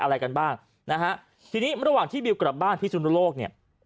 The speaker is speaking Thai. จะอะไรกันบ้างนะคะที่นี้เมื่อที่ด้วยก็บ้างชุนโลกเนี่ย